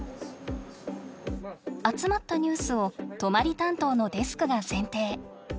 集まったニュースを泊まり担当のデスクが選定。